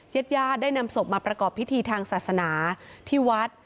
ญาติญาติได้นำศพมาประกอบพิธีทางศาสนาที่วัด